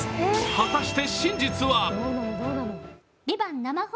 果たして真実は？